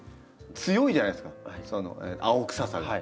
強いじゃないですかその青臭さが。